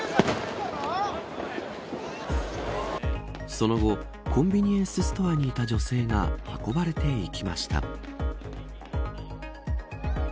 その後コンビニエンスストアにいた女性が運ばれていきました。